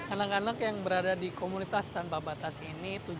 anak anak yang berada di komunitas tanpa batas ini